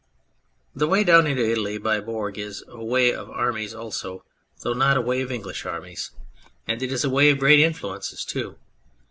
The way down into Italy by Bourg is a way of armies also, though not a way of English armies, 132 On History in Travel and it is a way of great influences too.